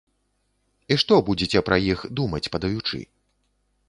І што будзеце пра іх думаць падаючы?